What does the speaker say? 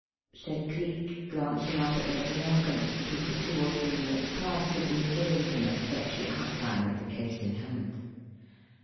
said Cleek, glancing up at Mr. Narkom, who for two or three minutes past had been giving him a sketchy outline of the case in hand.